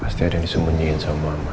pasti ada yang disemunyiin sama mama